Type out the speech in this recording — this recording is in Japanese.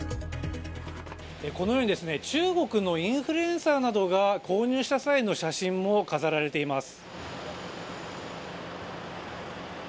このように中国のインフルエンサーなどが購入した際の写真も飾られています。